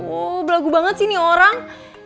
wow berlagu banget sih nih orang